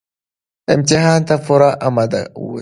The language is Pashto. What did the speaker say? امتحان ته پوره اماده اوسه